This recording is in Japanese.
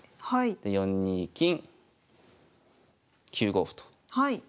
で４二金９五歩とはい。